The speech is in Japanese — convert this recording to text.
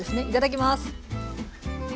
いただきます。